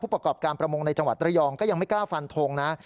ประกอบการประมงในจังหวัดระยองก็ยังไม่กล้าฟันทงนะ